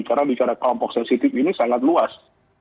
karena bicara kelompok sensitif ini sangat luas